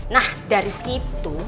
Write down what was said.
nah dari situ